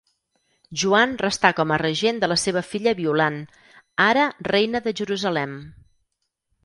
Joan restà com a regent de la seva filla Violant, ara Reina de Jerusalem.